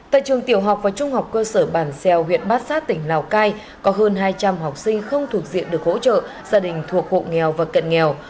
tại trường tiểu học và trung học cơ sở bản xeo huyện bát sát tỉnh lào cai có hơn hai trăm linh học sinh không thuộc diện được hỗ trợ gia đình thuộc hộ nghèo và cận nghèo